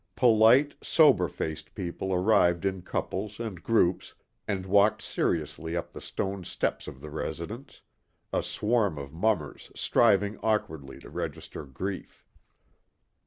Polite, sober faced people arrived in couples and groups and walked seriously up the stone steps of the residence, a swarm of mummers striving awkwardly to register grief.